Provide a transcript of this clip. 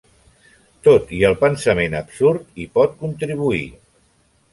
Tot i el pensament absurd hi pot contribuir.